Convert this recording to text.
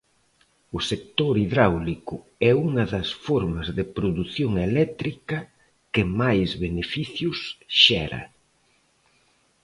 O sector hidráulico é unha das formas de produción eléctrica que máis beneficios xera.